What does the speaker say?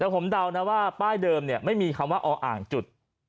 ผมดาวนะว่าป้ายเดิมเนี่ยไม่มีคำว่าออ่างจุด